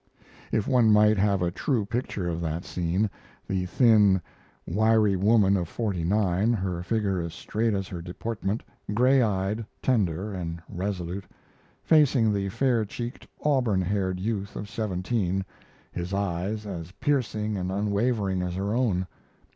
If one might have a true picture of that scene: the shin, wiry woman of forty nine, her figure as straight as her deportment, gray eyed, tender, and resolute, facing the fair cheeked, auburn haired youth of seventeen, his eyes as piercing and unwavering as her own.